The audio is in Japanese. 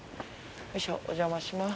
よいしょおじゃまします。